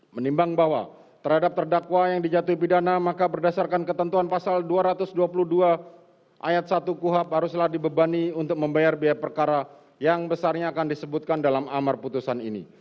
menimbang bahwa terhadap terdakwa yang dijatuhi pidana maka berdasarkan ketentuan pasal dua ratus dua puluh dua ayat satu kuhap haruslah dibebani untuk membayar biaya perkara yang besarnya akan disebutkan dalam amar putusan ini